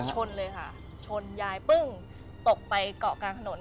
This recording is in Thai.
ชนเลยเหรอครับปุ๊บตกไปเกาะกลางถนน